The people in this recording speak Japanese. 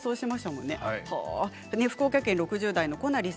福岡県６０代の方。